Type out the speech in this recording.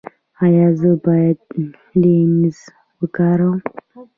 ایا زه باید لینز وکاروم؟